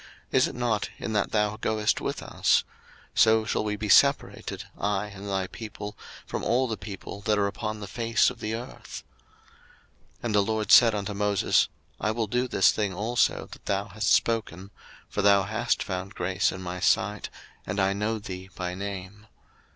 is it not in that thou goest with us? so shall we be separated, I and thy people, from all the people that are upon the face of the earth. 02:033:017 And the LORD said unto Moses, I will do this thing also that thou hast spoken: for thou hast found grace in my sight, and I know thee by name.